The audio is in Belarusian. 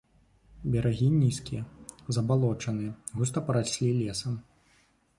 Берагі нізкія, забалочаныя, густа параслі лесам.